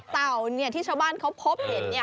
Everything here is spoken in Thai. เต่าที่ชาวบ้านเขาพบเห็น